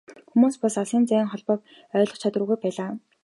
Хүмүүс бас алсын зайн холбоог ойлгох чадваргүй байлаа.